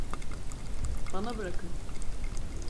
Bana bırakın!